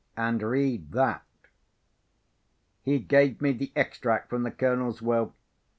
And read that." He gave me the extract from the Colonel's Will.